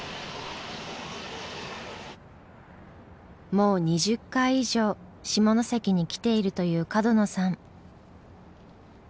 もう２０回以上下関に来ているという角野さん。